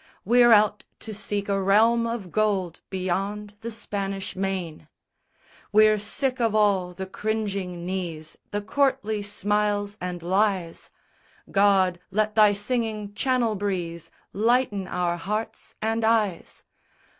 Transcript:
We're out to seek a Realm of Gold Beyond the Spanish Main._ _We're sick of all the cringing knees, The courtly smiles and lies. God, let Thy singing Channel breeze Lighten our hearts and eyes!